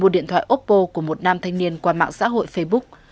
một điện thoại oppo của một nam thanh niên qua mạng xã hội facebook